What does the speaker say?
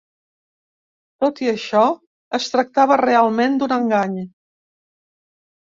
Tot i això, es tractava realment d'un engany.